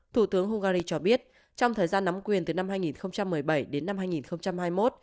thủ tướng hungary cho biết trong thời gian nắm quyền từ năm hai nghìn một mươi bảy đến năm hai nghìn hai mươi một